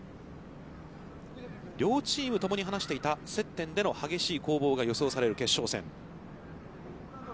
両チーム共に話していた接点での激しい攻防が予想される決勝戦。